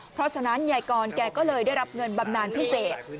เพราะฉะนั้นยายกรแกก็เลยได้รับเงินบำนานพิเศษ